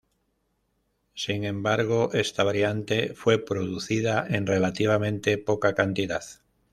Sin embargo, esta variante fue producida en relativamente poca cantidad.